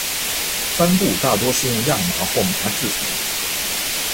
帆布大多是用亚麻或麻制成。